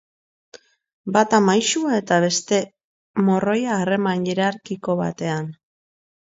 Bata maisua eta beste morroia harreman hierarkiko batean.